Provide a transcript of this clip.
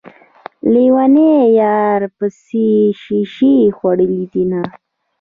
ليونی يار پسې شيشې خوړلي دينه